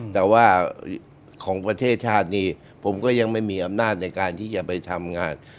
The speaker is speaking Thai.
แต่ว่าของประเทศชาตินี้ผมก็ยังไม่มีอำนาจในการที่จะไปทำงาน